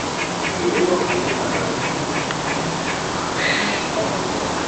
Iringo kanisa nang'o?